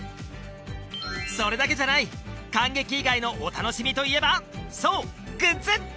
それだけじゃない観劇以外のお楽しみといえばそうグッズ！